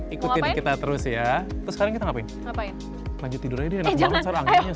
ikutin kita terus ya terus sekarang kita ngapain ngapain lanjut tidur aja enak banget soal anginnya